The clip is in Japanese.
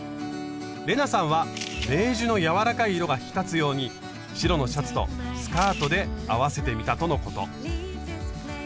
玲奈さんはベージュの柔らかい色が引き立つように白のシャツとスカートで合わせてみたとのこと。